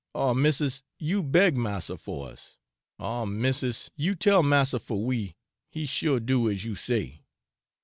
Oh missis, you beg massa for us! Oh missis, you tell massa for we, he sure do as you say!'